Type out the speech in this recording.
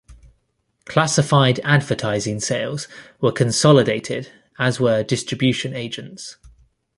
Classified advertising sales were consolidated, as were distribution agents.